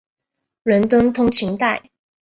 伦敦通勤带。